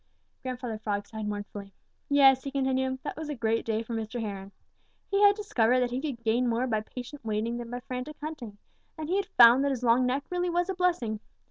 Grandfather Frog sighed mournfully. "Yes," he continued, "that was a great day for Mr. Heron. He had discovered that he could gain more by patient waiting than by frantic hunting, and he had found that his long neck really was a blessing.